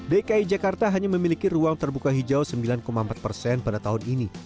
dki jakarta hanya memiliki ruang terbuka hijau sembilan empat persen pada tahun ini